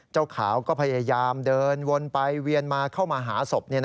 เจ้าขาวก็พยายามเดินวนไปเวียนมาเข้ามาหาศพ